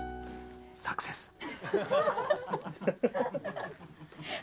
サクセス！